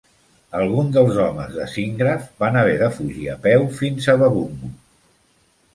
Alguns dels homes de Zintgraff van haver de fugir a peu fins a Babungo.